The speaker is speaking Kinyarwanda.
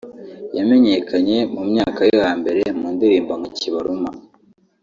yamenyekanye mu myaka yo hambere mu ndirimbo nka Kibaruma